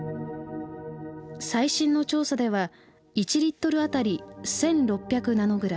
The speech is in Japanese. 最新の調査では１リットル当たり１，６００ナノグラム。